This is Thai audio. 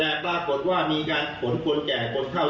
แต่ปรากฏว่ามีการขนคนแก่คนเข้า